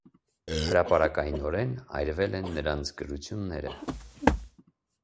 Հրապարակայնորեն այրվել են նրանց գրությունները։